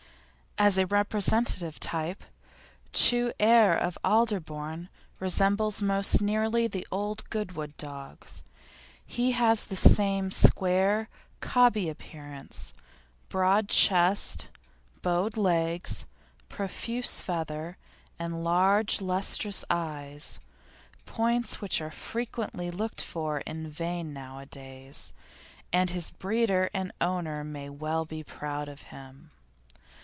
As a representative type, Chu Erh of Alderbourne resembles most nearly the old Goodwood dogs. He has the same square, cobby appearance, broad chest, bowed legs, profuse feather, and large, lustrous eyes points which are frequently looked for in vain nowadays and his breeder and owner may well be proud of him.